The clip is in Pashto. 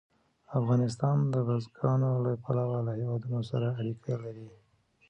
افغانستان د بزګانو له پلوه له هېوادونو سره اړیکې لري.